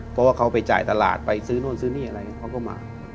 เพราะว่าเขาไปจ่ายตลาดไปซื้อนู่นซื้อนี่อะไรเขาก็มา